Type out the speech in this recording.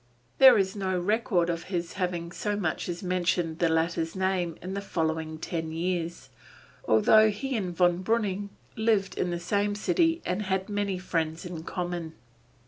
There is no record of his having so much as mentioned the latter's name in the following ten years, although he and Von Breuning lived in the same city and had many friends in common.